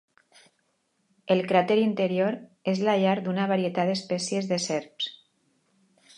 El cràter interior és la llar d'una varietat d'espècies de serps.